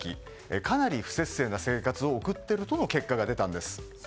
かなり不摂生な生活を送っているとの結果が出たんです。